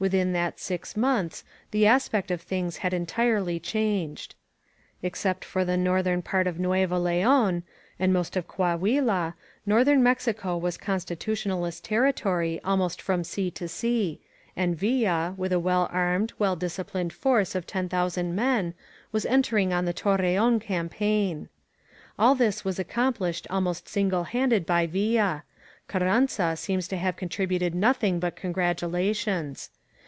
Within that six months the aspect of things had entirely changed. Except for the northern part of Noera Leon, and most of Coahnila, northern Mexico was Constitutionalist territory ahnost from sea to sea, and Villa, with a well armed, well disciplined force of 10,000 men, was entering on the Torreon campaign. All this was accomplished ahnost single handed by ^yilla; Carranza seems to have contributed nothing but congratulations.